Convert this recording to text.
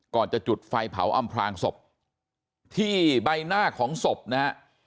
ก่อนจะจุดไฟเผาอำพลางศพที่ใบหน้าของศพนะฮะ